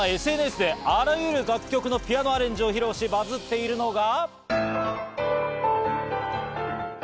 今ＳＮＳであらゆる楽曲のピアノアレンジを披露し、バズっているのが。